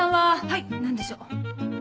はい何でしょう？